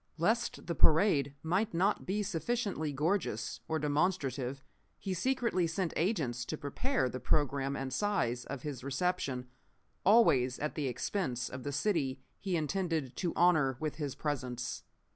Lest the parade might not be sufficiently gorgeous or demonstrative he secretly sent agents to prepare the programme and size of his reception, always at the expense of the city he intended to honor with his presence.